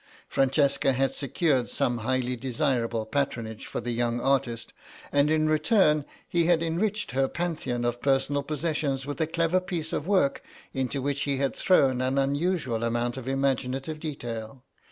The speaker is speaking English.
Francesca had secured some highly desirable patronage for the young artist, and in return he had enriched her pantheon of personal possessions with a clever piece of work into which he had thrown an unusual amount of imaginative detail.